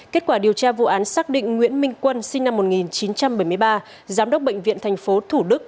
kết quả điều tra vụ án xác định nguyễn minh quân sinh năm một nghìn chín trăm bảy mươi ba giám đốc bệnh viện tp thủ đức